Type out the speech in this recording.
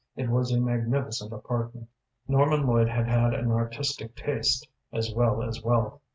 It was a magnificent apartment. Norman Lloyd had had an artistic taste as well as wealth.